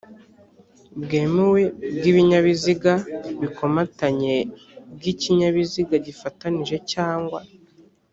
bwemewe bw ibinyabiziga bikomatanye bw ikinyabiziga gifatanije cyangwa